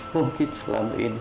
mungkin selama ini